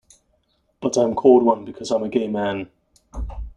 But I'm called one because I'm a gay man.